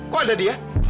kok ada dia